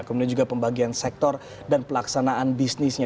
kemudian juga pembagian sektor dan pelaksanaan bisnisnya